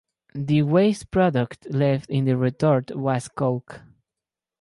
The waste product left in the retort was coke.